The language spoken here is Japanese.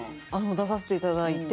出させていただいて。